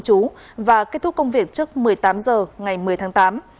chú và kết thúc công việc trước một mươi tám h ngày một mươi tháng tám